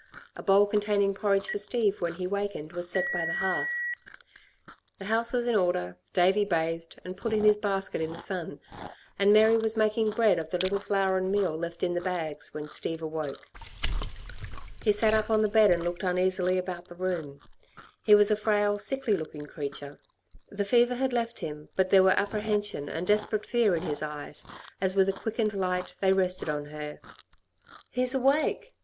A bowl containing porridge for Steve when he wakened was set by the hearth. The house was in order, Davey bathed, and put in his basket in the sun, and Mary was making bread of the little flour and meal left in the bags, when Steve awoke. He sat up on the bed and looked uneasily about the room. He was a frail, sickly looking creature. The fever had left him, but there were apprehension and desperate fear in his eyes, as with a quickened light they rested on her. "He's awake!"